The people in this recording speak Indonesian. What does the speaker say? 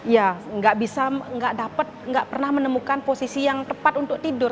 ya nggak bisa nggak dapat nggak pernah menemukan posisi yang tepat untuk tidur